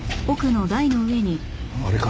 あれか？